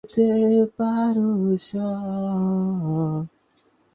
আমরা এই জগতে বদ্ধ অবস্থায় রহিয়াছি, আমাদিগকে ধীরে ধীরে শিকল ভাঙিতে হইবে।